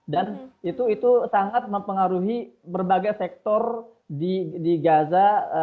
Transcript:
dan itu sangat mempengaruhi berbagai sektor di gaza